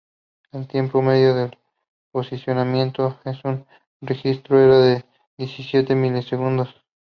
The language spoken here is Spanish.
El tiempo medio de posicionamiento en un registro era de seiscientos milisegundos.